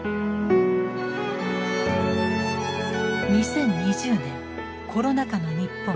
２０２０年コロナ禍の日本。